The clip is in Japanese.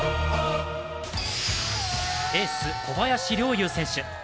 エース・小林陵侑選手。